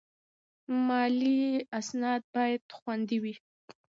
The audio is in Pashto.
مالي اسناد باید خوندي وي.